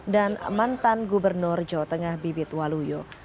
dan mantan gubernur jawa tengah bibit waluyo